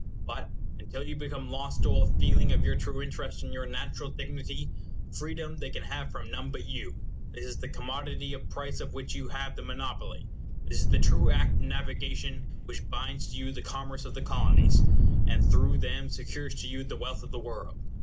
But, until you become lost to all feeling of your true interest and your natural dignity, freedom they can have from none but you. This is the commodity of price of which you have the monopoly. This is the true Act of Navigation which binds to you the commerce of the Colonies, and through them secures to you the wealth of the world.